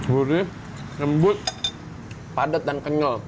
gurih lembut padat dan kenyal